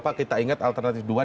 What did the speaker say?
pak kita ingat alternatif dua